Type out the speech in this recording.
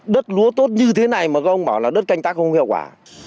đất lúa tốt như thế này mà các ông bảo là đất canh tác không hiệu quả